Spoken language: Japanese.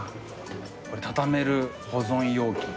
これたためる保存容器。